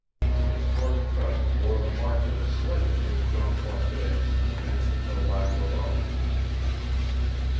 Its hard crust bore the marks of the sledges of Jean Croisset and the men from the Lac la Ronge country.